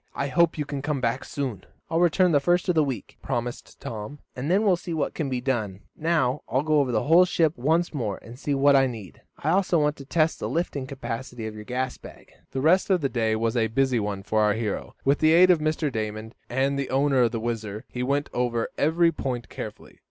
I hope you can come back soon." "I'll return the first of the week," promised Tom, "and then we'll see what can be done. Now I'll go over the whole ship once more, and see what I need. I also want to test the lifting capacity of your gas bag." The rest of the day was a busy one for our hero. With the aid of Mr. Damon and the owner of the WHIZZER, he went over every point carefully.